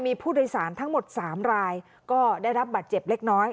มีผู้โดยสารทั้งหมด๓รายก็ได้รับบัตรเจ็บเล็กน้อย